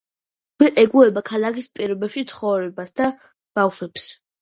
ვერ ეგუება ქალაქის პირობებში ცხოვრებას და ბავშვებს.